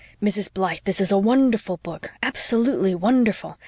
"Mrs. Blythe, this is a wonderful book absolutely wonderful.